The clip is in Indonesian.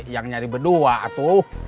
yang nyari berdua tuh